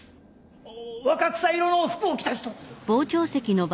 若草色の服を着た人。